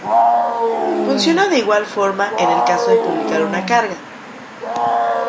Funciona de igual forma, en el caso de publicar una carga.